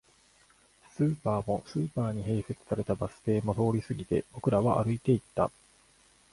スーパーも、スーパーに併設されたバス停も通り過ぎて、僕らは歩いていった